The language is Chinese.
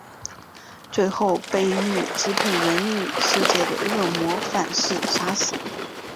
最后被欲支配人类世界的恶魔反噬杀死。